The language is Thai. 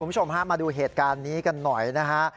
คุณผู้ชมฮะมาดูเหตุการณ์นี้กันหน่อยนะฮะ